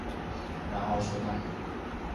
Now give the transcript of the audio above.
رها شدن